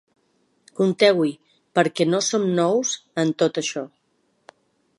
Compteu-hi, perquè no som nous, en tot açò.